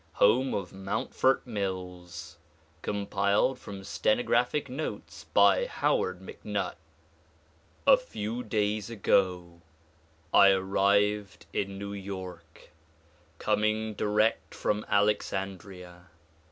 Home of Mountfort Mills. Compiled from Stenographic Notes by Howard MacNutt A FEW days ago I arrived in New York, coming direct from Alexandria.